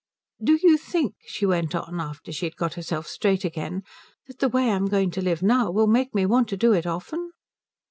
"Do you think," she went on, after she had got herself straight again, "that the way I'm going to live now will make me want to do it often?"